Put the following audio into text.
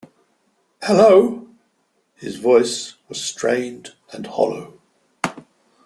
"Hello..." His voice was strained and hollow.